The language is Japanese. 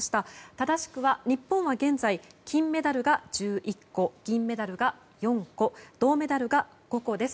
正しくは日本は現在金メダルが１１個銀メダルが４個銅メダルが５個です。